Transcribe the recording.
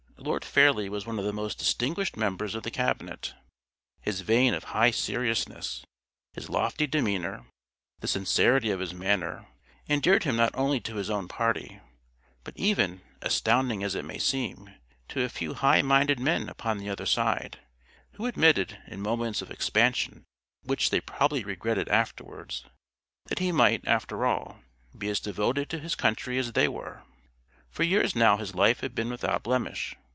Lord Fairlie was one of the most distinguished members of the Cabinet. His vein of high seriousness, his lofty demeanour, the sincerity of his manner, endeared him not only to his own party, but even (astounding as it may seem) to a few high minded men upon the other side, who admitted, in moments of expansion which they probably regretted afterwards, that he might, after all, be as devoted to his country as they were. For years now his life had been without blemish.